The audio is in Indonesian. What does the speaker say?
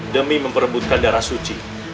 demi memperebutkan darah suci